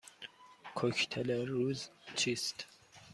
کوکتل روز چیست؟